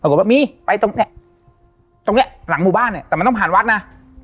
ปรากฏว่ามีไปตรงเนี้ยตรงเนี้ยหลังหมู่บ้านเนี่ยแต่มันต้องผ่านวัดนะ